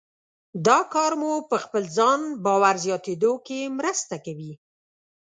دا کار مو په خپل ځان باور زیاتېدو کې مرسته کوي.